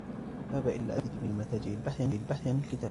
ذهبت إلى العديد من المتاجر للبحث عن الكتاب.